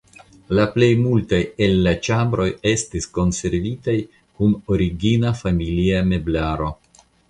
La plej multaj el la ĉambroj estis konservitaj kun origina familia meblaro.